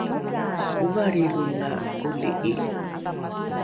ovalrilonga koli’i